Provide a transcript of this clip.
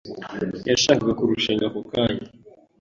Yashakaga kurushinga ako kanya.